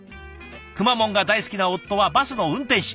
くまモンが大好きな夫はバスの運転士。